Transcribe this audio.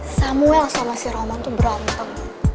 samuel sama si roman tuh berantem